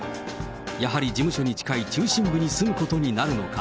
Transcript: やはり事務所に近い中心部に住むことになるのか。